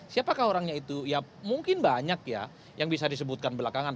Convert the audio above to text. siapakah orangnya itu ya mungkin banyak ya yang bisa disebutkan belakangan